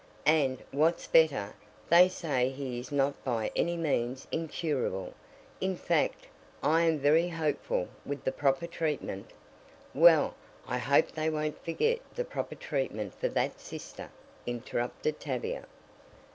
And, what's better, they say he is not by any means incurable. In fact, I am very hopeful, with the proper treatment " "Well, I hope they won't forget the proper treatment for that sister," interrupted Tavia.